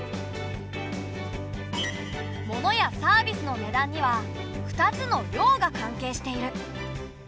物やサービスの値段には２つの量が関係している。